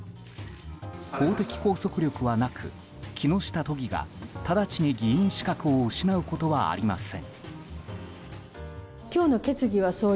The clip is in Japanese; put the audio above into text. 法的拘束力はなく木下都議が直ちに議員資格を失うことはありません。